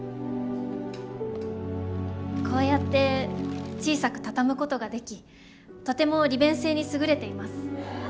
こうやって小さく畳むことができとても利便性に優れています。